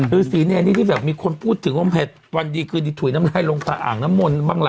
ฤษีเนรนี้ที่แบบมีคนพูดถึงว่าวันดีคืนดีถุยน้ำลายลงตะอ่างน้ำมนต์บ้างล่ะ